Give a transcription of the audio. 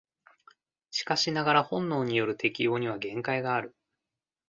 しかしながら本能による適応には限界がある。